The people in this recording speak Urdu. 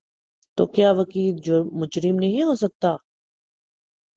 تو کیا وکیل مجرم نہیں ہو سکتا؟